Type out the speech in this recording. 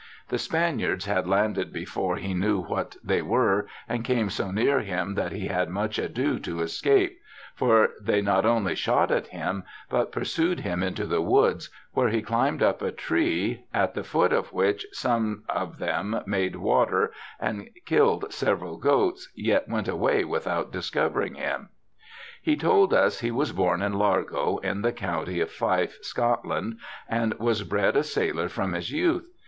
The Spaniards had landed before he knew what they were, and came so near him that he had much ado to escape ; for they not only shot at him, but pursued him into the woods, where he climbed up a tree, at the foot of which some of them made water and killed several goats, yet went away without discovering him. ' He told us he was born in Largo, in the county of Fife, Scotland, and was bred a sailor from his youth.